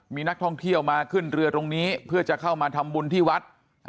มีนักท่องเที่ยวมาขึ้นเรือตรงนี้เพื่อจะเข้ามาทำบุญที่วัด